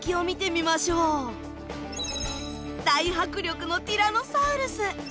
大迫力のティラノサウルス。